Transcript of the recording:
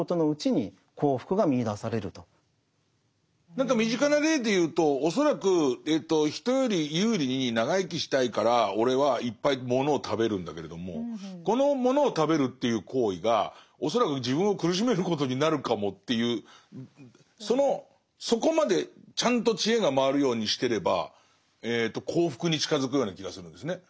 何か身近な例で言うと恐らく人より有利に長生きしたいから俺はいっぱいものを食べるんだけれどもこのものを食べるという行為が恐らく自分を苦しめることになるかもというそこまでちゃんと知恵が回るようにしてれば幸福に近づくような気がするんですね。